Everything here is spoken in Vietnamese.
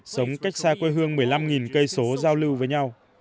sống cách xa quê hương một mươi năm cây số giao lưu với nhau